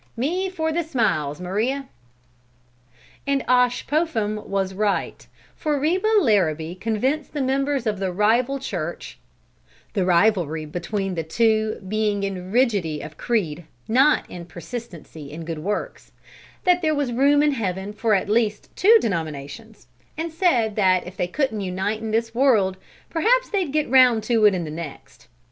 Me for the smiles, Maria!" And Osh Popham was right; for Reba Larrabee convinced the members of the rival church (the rivalry between the two being in rigidity of creed, not in persistency in good works) that there was room in heaven for at least two denominations; and said that if they couldn't unite in this world, perhaps they'd get round to it in the next.